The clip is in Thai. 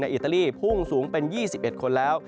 อิตาลีพุ่งสูงเป็น๒๑คนแล้ว